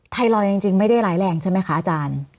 ไทรอยด์จริงไม่ได้ร้ายแรงใช่ไหมคะอาจารย์